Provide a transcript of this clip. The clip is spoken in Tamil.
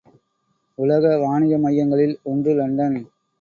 உலக வாணிக மையங்களில் ஒன்று இலண்டன்.